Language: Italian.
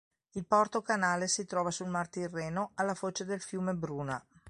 Il porto-canale si trova sul mar Tirreno alla foce del fiume Bruna.